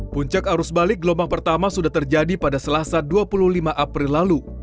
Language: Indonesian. puncak arus balik gelombang pertama sudah terjadi pada selasa dua puluh lima april lalu